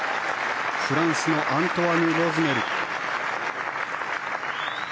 フランスのアントワヌ・ロズネル。